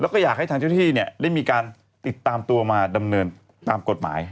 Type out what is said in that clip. ก็ตอบกันมามากมาย